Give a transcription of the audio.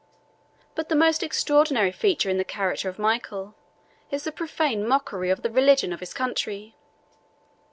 But the most extraordinary feature in the character of Michael, is the profane mockery of the religion of his country.